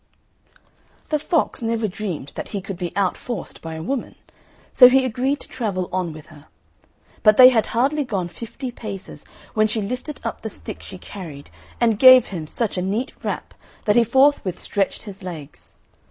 The fox never dreamed that he could be out forced by a woman; so he agreed to travel on with her. But they had hardly gone fifty paces, when she lifted up the stick she carried and gave him such a neat rap that he forthwith stretched his legs.